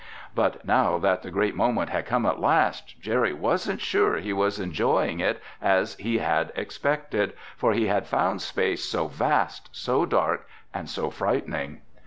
But now that the great moment had come at last, Jerry wasn't sure he was enjoying it as he had expected, for he had found space so vast, so dark, and so frightening.